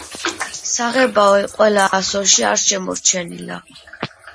საღებავი ყველა ასოში არ შემორჩენილა.